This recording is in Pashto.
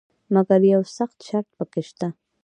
مګر یو سخت شرط پکې شته.